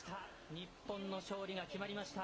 日本の勝利が決まりました。